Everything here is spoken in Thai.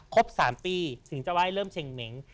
ครบ๓ปีถึงจะไหว้เริ่มเช่งเหม็ง